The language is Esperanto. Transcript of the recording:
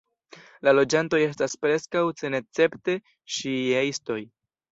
La loĝantoj estas preskaŭ senescepte ŝijaistoj.